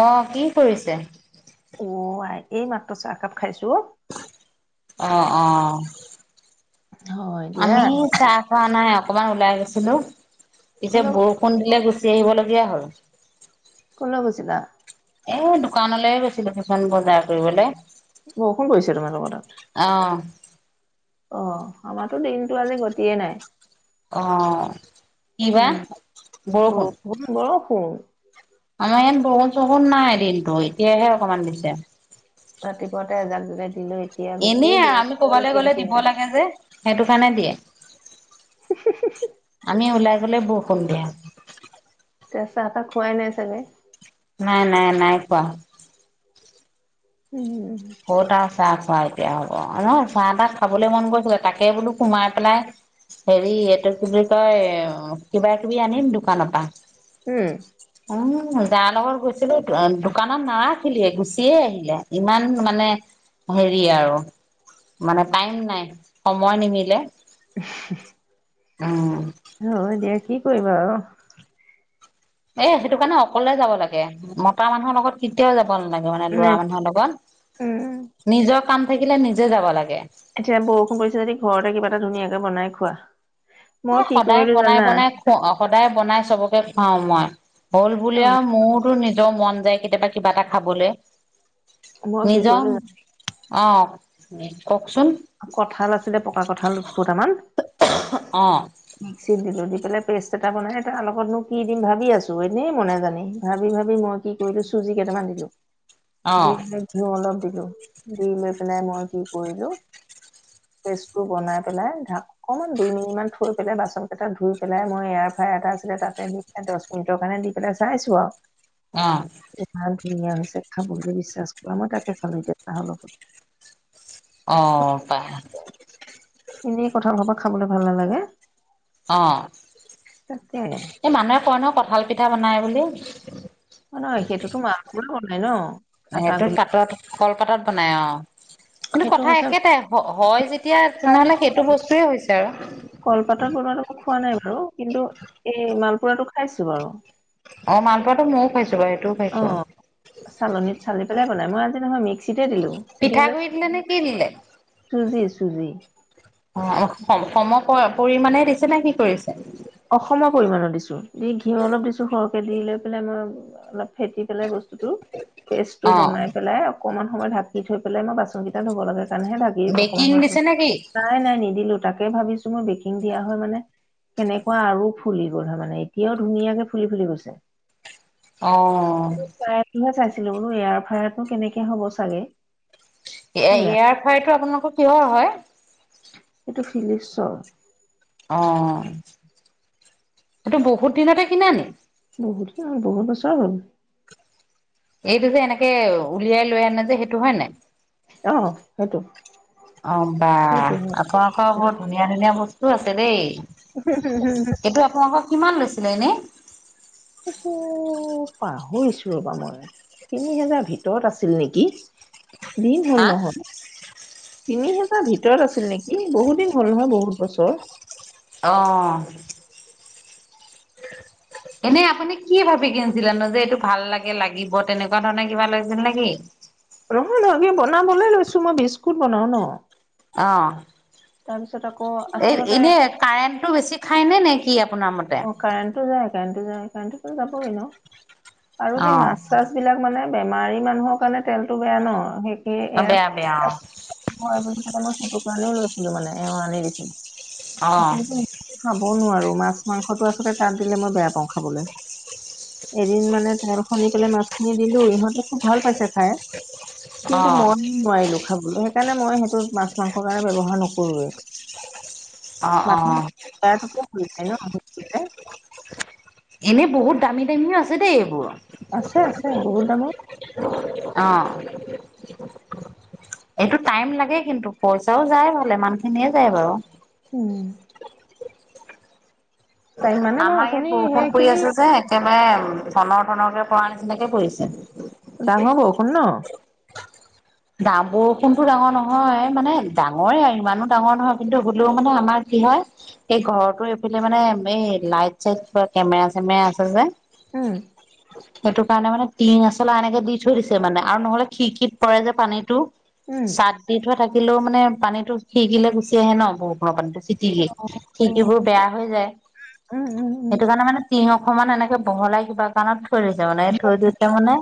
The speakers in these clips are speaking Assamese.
অ কি কৰিছে অ এই মাত্ৰ চাহকাপ খাইছো অ অ হয় দিয়া আমি চাহ খোৱা নাই অকমান ওলাই গৈছিলো পিছে কলৈ বৰষুণ দিলে গুচ আহিবলগীয়া হয়' কল কৈছিলা এ দোকানলৈ গৈছিলো কিছোন বজাৰ বৰষুণ পৰিছে তোমালোকৰ তাত? অ অ আমাৰো দিনটো আজি ঘতিিয়ে নাই অ কি বাা উম। বৰষুণ হ' আমাৰ ইয়ন বহুন চহুন নাই দিনতটো এতিয়াহে অকমান দিছে ৰাতিপুৱাতে এজাক জলাই দিলো এতিয়া এনে গোটেই আৰু আমি দিনডাল ক'বালৈ কিন গ'লে দিব কিনাই। লাগে যে সেইটো কাৰণে দিয়ে আমি ওলাই গ'লে বৰষুণ দিয়ে। এতিয়া চাহ, তাহ খোৱাই নাই চাগে? নাই, নাই, নাই খোৱা। উম। [unintelligible] চাহ খোৱা এতিয়া হ'ব, ন' চাহ, তাহ খাবলৈ মন গৈছিলে, তাকে বোলো সোমাই পেলাই হেৰি এইটো কি বুলি কয় কিবা কিবি আনিম দোকানৰ পা। উম। অ', যাৰ লগত গৈছিলোঁ অ', দোকানত নাৰাখিলেই গুচিয়ে আহিলে ইমান মানে হেৰি আৰু মানে টাইম নাই, সময় নিমিলে। উম হয়, দে কি কৰিবা আৰু? এ, সেইটো কাৰণে অকলে যাব লাগে, মতা মানুহৰ লগত কেতিয়াও যাব নালাগে মানে ল'ৰা মানুহৰ উম লগত, নিজৰ কাম থাকিলে নিজে যাব লাগে। এতিয়া বৰষুণ পৰিছে যদি ঘৰতে কিবা এটা ধুনীয়াকে বনাই খোৱা মই কি সদায় কৰিলো বনাই, জানা? বনাই খ-সদায় বনাই চবকে খুৱাওঁ মই। হ'ল অ বুলি আৰু মো নিজৰ মন যায়, কেতিয়াবা কিবা এটা খাবলে। মই কি নিজৰ কৰিলো জানা? অ'। [unintelligible] কঁঠাল আছিলে, পকা কঁঠাল দুফুটা মান অ' মিক্সিত দি দি পেলাই পেষ্ট এটা বনাই তাৰ লগত মোক কি দিম ভাবি আছোঁ, এনেই মনে জানি ভাবি, ভাবি মই কি কৰিলোঁ, চুজি কেইটামান দিলোঁ। দি অ' [unintelligible] ঘিউ অলপ দিলোঁ দি লৈ, পেলাই, মই কি কৰিলোঁ পেষ্টটো বনাই পেলাই ধা, অকমান দুই মিনিট মান থৈ পেলাই বাচন কেইটা ধুই পেলাই, মই এয়াৰ ফ্ৰাই এটা আছিলে তাতে দি পেলাই দচ মিনিটৰ কাৰণে দি পেলাই চাইছোঁ আৰু। অ'। ইমান ধুনীয়া হৈছে খাব বুলি বিশ্বাস কৰা, মই তাকে খালোঁ এতিয়া চাহৰ লগত। অ', [unintelligible] এনেই কঁঠাল সোপা খাবলৈ ভাল নালাগে। অ'। তাকে এই মানুহে কয় নহয় কঠ ভাল পিঠা বনাই বুলি। নহয়, সেইটোতো [unintelligible] বনাই ন? আটা সেইটোত গুলি পাতত [unintelligible] পাতত বনাই অ'। কিন্তু সেইটো কথা হৈছে খাই একেটাই হয়, যেতিয়া তেনেহ'লে সেইটো বস্তুয়ে হৈছে আৰু। কলপাতত বনোৱাটো মই খোৱা নাই বাৰু কিন্তু এই মালপুৰাটো খাইছোঁ বাৰু। অ', মালপোৰাটো মইয়ো খাইছোঁ বাৰু। সেইটোও খাইছো। অ', চালনীত চালি পেলাই বনাই মই আজি নহয়, মিক্সিতে দিলোঁ, দি, লৈ পিঠাগুৰি দিলে নে কি দিলে? চুজি, চুজি। সম-সম পৰিমাণে দিছে নে? কি কৰিছে? সম পৰিমাণৰ দিছোঁ দি, ঘিউ অলপ দিছোঁ সৰহকে দি, লৈ, পেলাই মই অলপ ফেটি পেলাই বস্তু [unintelligible] পেষ্টটো অ বনাই পেলাই অক কমান সময় ঢাকি থৈ পেলাই মই বাচন কিটা ধুব লাগে কাৰণেহে ঢাকি অকমান বেকিং সময় থৈ, দিছে নে কি নাই, নাই, নিদি দিওঁ, তাকে ভাবিছো মই বেকিং দিয়া হয় মানে, কেনে কুৱা আৰু ফুলি গ'ল হয় মানে, এতিয়াও ধুনীয়াকে ফুলি ফুলি গৈছে। অ' ছিলো বোলো এয়াৰ ফ্ৰায়াৰতনো কেনেকে হ'ব চাগে এয়া, হয়া এয়াৰ ফ্ৰায়াৰটো আপোনালোক কৰ কিহৰ হয়? এইটো ফিলিপচৰ। অ', এইটো বহুত দিনতে কিনা নি? বহুত দিন হ'ল, বহুত বছৰ হ'ল। এইটো যে এনেকে উলিয়াই লৈ আনে যে, সেইটো হয় নাই? অ সেইটো অ, বা, সেইটো হয় আপোনালোকৰ বৰ ধুনীয়া ধুনীয়া বস্তু আছে ছে দেই! এইটো আপোনালোকক [inaudible] কিমান লৈছিলে এনে? এইটো পাহৰিছো ৰ'বা মই, তিনি হেজাৰৰ ভিতৰত আছিল নেকি দিন হল হা নহয় তিনি হেজাৰৰ ভিতৰত আছিল নেকি, বহুত দিন হ'ল নহয়, বহুত বছৰ। অ' এনেই আপুনি কি ভাবি কিনিছিলেনো যে এইটো ভাল লাগে, লাগিব, তেনেকুৱা ধৰণে কিবা লৈছিল নে কি? নহয়, নহয়, এনে বনাবলৈ লৈছো মই, বিস্কুট বনাওঁ ন? অ'। তাৰপিছত আকৌ এ, আচলতে এনে কাৰেণ্টটো বেছি খায় নে, নে কি আপোনাৰ মতে? অ কাৰেণ্টো যায়। কাৰেন্টটো যায়, কাৰেণ্টটোতো যাবই ন? আৰু সেই মাছ অ চাছ বিলাক মানে বেমাৰী মানুহৰ কাৰণে তেলটো বেয়া ন, সেই সেই‌এয়া বেয়া বেয়া [unintelligible] স আনিও লৈছিলো মানে এওঁ আনি দিছিলে। অ অ সকল খাবও নোৱাৰো। মাছ মাংসটো আচলতে তাত দিলে মই বেয়া পাওঁ। খাবলৈ। এদিন মানে ত শুনি পেলাই মাছখিনি দিলো। ইহঁতে খুব ভাল পাইছে খাই। অ কিন্তু, মই হে নোৱাৰিলো খাবলৈ। সেইকাৰণে, মই সেইটো মাছ মাংসৰ কাৰণে ব্যৱহাৰ নকৰোৱেই। অ অ [unintelligible] এ। এনেই বহুত দামী দামীও আছে দেই এইবোৰ। আছে, আছে, বহুত দামৰ। অঁ এইটো টাইম লাগে কিন্তু, পইচাও যায় ভালে মানখিনিৰ যায় বাৰু। উম তাই মানে মই আমাৰ অথনি ইয়াত বৰষুণ পৰি সেইখিনি আছে যে একেবাৰে উম ঠনৰ ঠনৰকে পৰা নিচিনাকে পৰিছে। ডাঙৰ বওঁ ষুণ ন? দা বৰষুণতো ডাঙৰ নহয় মানে ডাঙৰে আৰু ইমানো ডাঙৰ নহয়, কিন্তু হলেও মানে আমাৰ কি হয় এই ঘৰৰতো এইফালে মানে এই লাইট -চাইট কেমেৰা চেমেৰা আছে যে। উম সেইটো কাৰণে মানে টিঙ এচলা এনেকে দি থৈ দিছে মানে আৰু নহলে খিৰিকীত পৰে যে পানীটো। উম চাত দি থোৱা থাকিলেও মানে পানীতো খিৰিকীলে গুচি আহে ন বৰষুণৰ পানীটো। চিতিলি উম, খিৰিকীবোৰ বেয়া হৈ যায়, উম, উম, উম, সেইটো কাৰণে মানে তিহক অকমান এনেকে বহলাই কিবা কাৰণত কৰিছে মানে, থৈ দিছে মানে।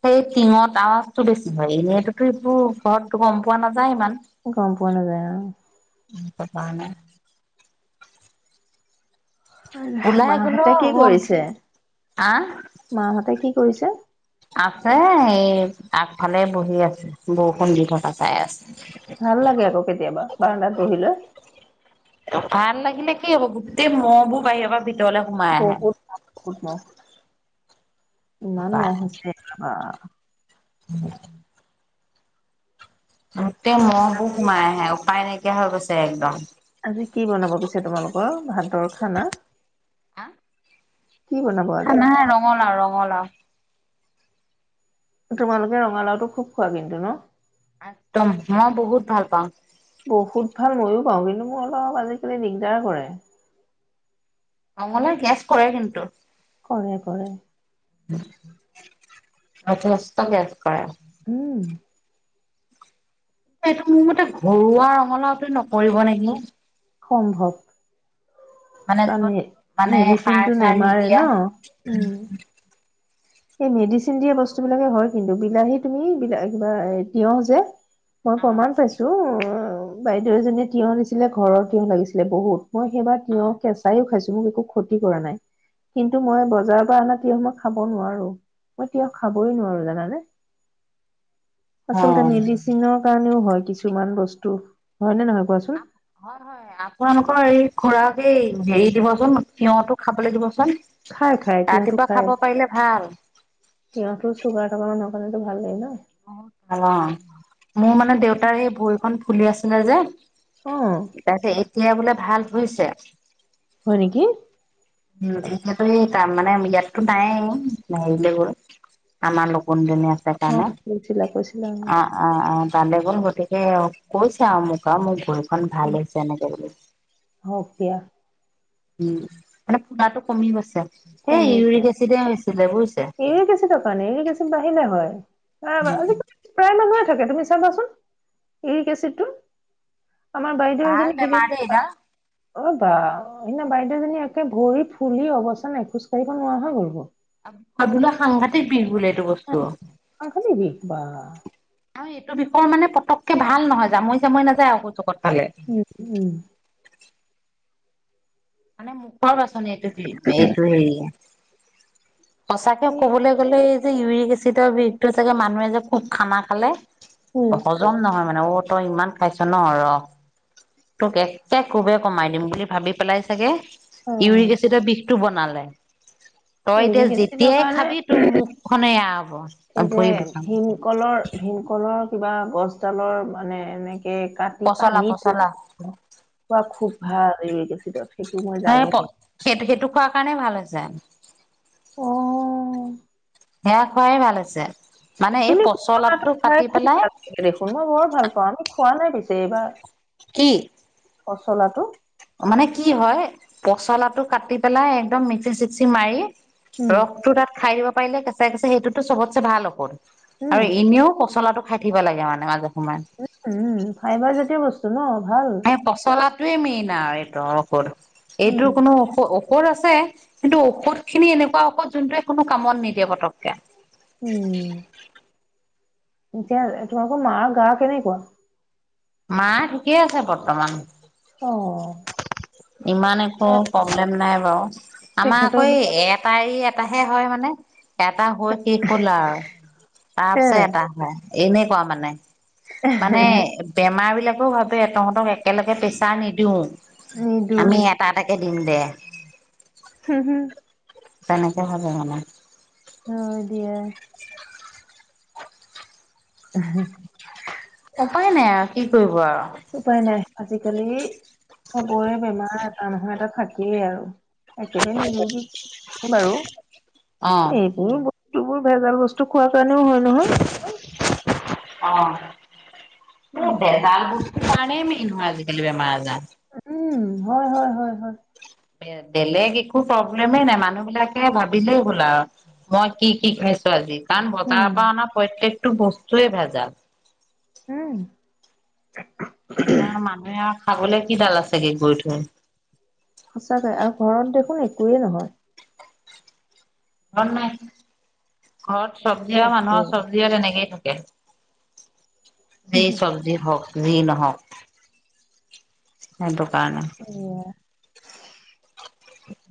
সেই টিঙত আৱাজটো বেছ এনেইতো, এইবোৰ ঘৰটো গম পোৱা নাযায় ইমান। গম পোৱা নাযায় আৰু। তই পানে মাহ হতে কি ৰুম কৰিছে? আহ মাহ হতে কি কৰিছে। আছে, এই আগফালে বহি আছে, বৰষুণ দি থকা চাই আছে। ভাল লাগে আকৌ কেতিয়াবা, বাৰনাত বহিল লৈ। ভাল লাগিলে কি হ'ব, গোটেই মহবোৰ বাহিৰৰ পৰা ব ভিতৰলৈ সোমাই বহুত মহ, বহুত মহ, আছে। ইমান মহ আছে, [unintelligible] উম। উম। তেজু মহবো আজি, সোমাই আহে উপায় নাইক নাইকিয়া হৈ গৈছে একদম। আজি কি বনাব পিছে তোমালোকৰ ভাতৰ খানা। কি বনাব আজি? খানা ৰঙালাও ৰঙালাও। তোমালোকে ৰঙালাওটো খুব খোৱা কিন্তু ন। একদম মই বহুত ভাল পাওঁ। বহুত ভাল মইয়ো পাওঁ কিন্তু মোৰ অলপ আজিকালি দিগদাৰ কৰে। ৰঙালাওয়ে গেছ কৰে কিন্তু। কৰে কৰে। উম। আ মস্ত গেছ কৰে। উম। এইটো মোৰ মতে ঘৰুৱা ৰঙালাওটো নকৰিব নেকি? সম্ভৱ। মানে য'ত কাৰে মানে মেডিচিন সাৰ টো চাৰ নেমাৰে নিদিয়া ন উম। সেই মেডিচিন দিয়া বস্তু বিলাকে হয় কিন্তু বিলাহী তুমি বিল কিবা তিয়হ যে। মই অ। প্ৰমাণ পাইছো। বাইদেউ এজনীয়ে তিঁয়হ দিছিলে ঘৰৰ তিঁয়হ লাগিছিলে বহুত মই সেইবা তিয়হ কেঁচায়ও খাইছো। মোৰ একো ক্ষতি কৰা নাই, কিন্তু মই বজাৰৰ পৰা অনা তিঁয়হ মই খাব নোৱাৰো। মই তিঁয়হ খাবই নোৱাৰো জানানে? আচলতে মেডিচিনৰ কাৰণেও হয় কিছুমান বস্তু। হয় নে নহয় কোৱাচোন হয় হয় আপোনালোকৰ এই খুৰা সেই হেৰি দিবচোন তিয়ঁহতো খাবলৈ দিবচোন। খাই খাই তিয়হঁতো ৰাতিপুৱা খাই খাব পাৰিলে ভাল। তিয়হতো চুগাৰ থকা মানুহৰ মানতো ভাল লাগে ন। বত ভাল অ মোৰ মানে দেউতাৰ সেই ভৰিখন ফুলি আছ ন যে। অ তাৰে এতিয়াই বোলে ভাল হৈছে। হয় নেকি? উম, এতিয়াটো এই তাৰমানে ইয়াতটো নাই হেৰিলে গ'ল, আমাৰ কোনজনী আছে অ কাৰণত কৈছিলা কৈছিলা অ', অ', অ'। তালে গ'ন গতিকে কৈছো আমুকা মোক ঘৰখন ভাল হৈছে এনেকে বুলি। এতিয়া। উম, মানে পুৰাতটো কমি গৈছে। সেই ইউৰিক এচিডে হৈছিল ইওৰিক এচিডৰ কাৰণে ইওৰিক এচিড বাহিলে হয়। [unintelligible] থাকে তুমি চাবাচোন এই ইওৰিক এচিডটো আমাৰ বাইদেউ ভাল এজনী বেমাৰ দেই এইডাল অ, বা সেইদিনা বাইদেউজনী একে ভৰি ফুলি অৱস্থা খোজ কাঢ়িব নোৱাৰা হৈ গ'লগে। আ - আপোনাৰ সাংঘাতিক বিষ বোলে। এইটো বস্তু সাংঘাতিক বিষ বা। আৰু এইটো বিষয়ৰ মানে পটকে ভাল নহয় জামৈ - জামৈ নাযায় আকৌ জগত উম-উম। মানে মোক [unintelligible] বাচন এইটোতেই। সঁচাকে এই কবলৈ গ'লে এই যে ইৰিক এচিড চিতে বিষটো চাগে মানুহে যে খুব খানা খালে উম হজম নহয় মানে অত তই ইমান খাইছ ন ৰ তোক একে কোবে কমাই দিম বুলি ভাবি পেলাই চাগে অ ইউৰিক এচিডৰ বিষটো বনালে, তই এতিয়া ইউৰিক এচিডৰ যেতিয়াই কাৰণে খাবি তোৰ মুখখনে আ এই যে ভীমকলৰ ভীমকলৰ কিবা গছডালৰ মানে এনেক কে কাটি পচলা পানীটো পচলা খোৱা খুব ভাল ইওৰিক এচিডৰ সেইটো মই সেই জানো। সেইটো সেইটো খোৱাৰ [inaudible] অ' সেয়া খোৱাই ভাল হৈছে। মানে এই এনে পচলাটো কাটি পেলাই [unintelligible] দেখোন, মই বৰ ভাল পাওঁ। খোৱা নাই পিছে এইবাৰ। কি? পচলা টো। মানে কি হয় পচলাটো কাটি পেলাই একদম মিকচি চিকচি মাৰি উম ৰসটো তাত খাই দিব পাৰিলে কেঁচাই, কেঁচাই সেইটোতো চবতচে ভাল ঔষধ। আৰু উম ইনেও পচলাটো খাই থাকিব লাগে মানে মাজে সময়ে উম, উম ফাইবাৰ জাতীয় বস্তু ন। ভাল এ, পচলাত টোৱে মেইন আৰু এইটো ঔষধ। এইটো, উম কোনো [unintelligible] ঔষধ আছে, কিন্তু ঔষধ খিনি এনেকুৱা ঔষধ যোনটোৱে কোনো কামত নিদিয়ে পতক উম। এতিয়া তোমালোকৰ মাৰ গা, কেনেকুৱা? মা, ঠিকেই আছে বৰ্তমান। অ ইমান একো এ প্ৰব্লেম নাই। [unintelligible] আমাৰ আকৌ তেখেতক এই এটা এৰি এট টাহে হয়, মানে এটা হৈ শেষ হ'ল আৰু তাৰ এ পিছত এটা হয়। এনেকোৱা মানে। মানে বেমাৰ বিলাক ভাবে তহঁতক একেলগে পেছাৰ নিদিওঁ। নিদো আমি এটা, এটাকে দিম দে। তেনেকে ভাবে মানে। হয়, দিয়া। উপায় নাই কি কৰিব আৰু? উপায় নাই আজিকালি চবৰে বেমাৰ [unintelligible] এটা থাকেই আৰু। একেবাৰে নিৰোগী বাৰু অ'। এইবোৰ বোৰ ভেজাল বস্তু খোৱা [unintelligible] হয়, নহয়। অ'। এ, উম, [unintelligible] [unintelligible] মেইন হয়, আজিকালি বেমাৰ আজাৰ। উম, হয়, হয়, হয়। হয়। বে-বেলেগ একো প্ৰব্লেমে নাই, মানুহ বিলাকে ভাব দিলেই হ'ল আ, মই কি কি খাইছোঁ আজি কাৰণ বজাৰৰ পৰা উম, অনা প্ৰত্যেক টো, বস্তুৱে ভেজাল। উম। [unintelligible] মানুহে আৰু খাবলৈ কিডাল আছেগে গৈ, থৈ। সঁচাকৈ, আৰু ঘৰত দেখোন একোয়ে নহয়। [unintelligible] ঘৰত চব্জি আৰু তাকে। মানুহৰ চব্জি তেনেকেই থাক [unintelligible] সেই চব্জি হওঁক যি, ন হওঁক, সেইটো কাৰণে সেয়া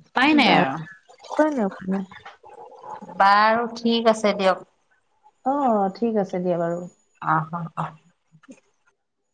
উপাই নাই বা আৰু। উপাই আপোনাৰ বাৰু ঠিক আছে দিয়ক। অ' ঠিক আছে দিয়া বাৰু। অ' অ' অ'।